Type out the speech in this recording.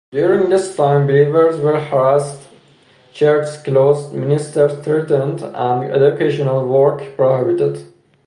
During this time believers were harassed, churches closed, ministers threatened, and educational work prohibited.